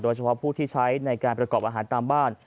เฉพาะผู้ที่ใช้ในการประกอบอาหารตามบ้าน